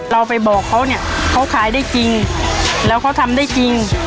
เราไปบอกเขาเนี่ยเขาขายได้จริงแล้วเขาทำได้จริง